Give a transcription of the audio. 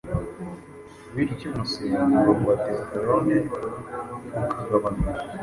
bityo umusemburo wa testosterone ukagabanuka